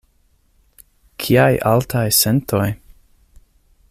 Kiaj altaj sentoj!